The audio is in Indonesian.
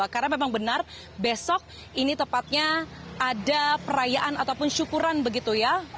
karena memang benar besok ini tepatnya ada perayaan ataupun syukuran begitu ya